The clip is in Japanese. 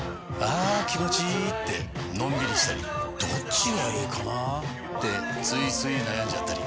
あ気持ちいいってのんびりしたりどっちがいいかなってついつい悩んじゃったり。